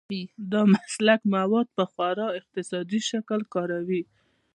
دا مسلک مواد په خورا اقتصادي شکل کاروي.